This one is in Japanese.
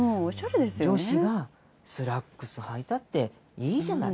女子がスラックスはいたっていいじゃない。